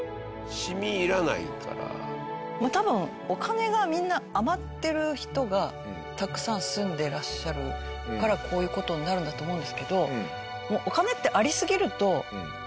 多分お金がみんな余ってる人がたくさん住んでらっしゃるからこういう事になるんだと思うんですけど。